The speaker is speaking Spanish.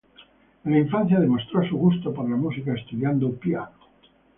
En la infancia demostró su gusto por la música estudiando piano.